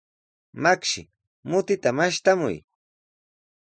Makshi, mutita mashtamuy.